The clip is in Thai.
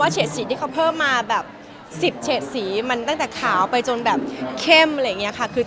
เฉดสีมันตั้งแต่ขาวไปจนแบบเข้มอะไรอย่างเงี้ยค่ะ